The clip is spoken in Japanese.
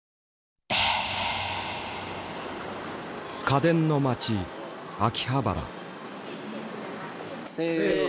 家電の街秋葉原。せの！